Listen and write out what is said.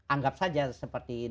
anggap saja seperti